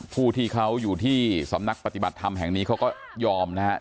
ผู้ที่เขาอยู่ที่สำนักปฏิบัติธรรมแห่งนี้เขาก็ยอมนะครับ